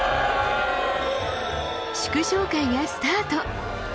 祝勝会がスタート。